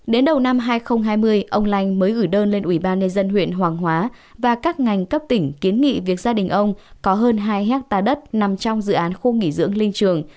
đến đầu năm hai nghìn hai mươi ông lanh mới gửi đơn lên ủy ban nhân dân huyện hoàng hóa và các ngành cấp tỉnh kiến nghị việc gia đình ông có hơn hai hectare đất nằm trong dự án khu nghỉ dưỡng linh trường